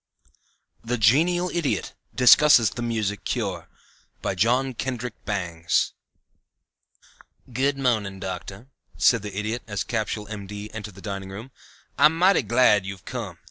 THE GENIAL IDIOT DISCUSSES THE MUSIC CURE BY JOHN KENDRICK BANGS "Good morning, Doctor," said the Idiot as Capsule, M.D., entered the dining room. "I am mighty glad you've come.